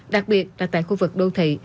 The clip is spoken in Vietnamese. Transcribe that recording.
đặc biệt là tại khu vực đô thị